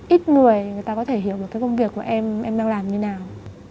ít người người ta có thể hiểu được cái công việc em đang làm như thế nào